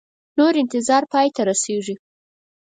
نور انتظار پای ته رسیږي